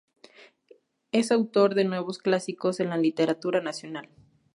Es autor de nuevos clásicos en la literatura nacional.